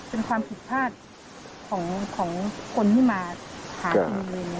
เป็นความผิดพลาดของคนที่มาหาอีเวียน